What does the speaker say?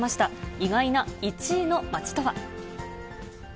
意外な１位の街とは。